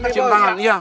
cium tangan ya